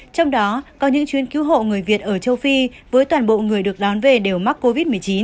trong đó có những chuyến cứu hộ người việt ở châu phi với toàn bộ người được đón về đều mắc covid một mươi chín